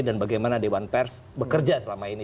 dan bagaimana dewan pers bekerja selama ini